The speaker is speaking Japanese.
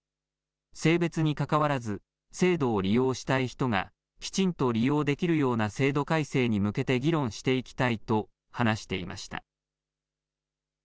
性別にかかわらず制度を利用したい人がきちんと利用できるような制度改正に向けて議論していきたいと話していました。